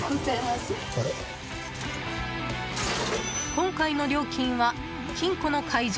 今回の料金は、金庫の解錠